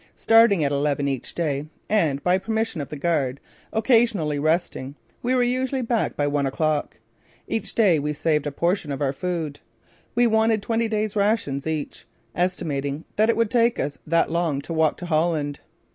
Starting at eleven each day and, by permission of the guard, occasionally resting, we were usually back by one o'clock. Each day we saved a portion of our food. We wanted twenty days' rations each, estimating that it would take us that long to walk to Holland.